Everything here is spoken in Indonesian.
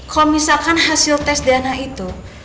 kalau misalkan hasil tes dna itu